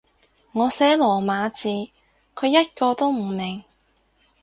我寫羅馬字，佢一個都唔明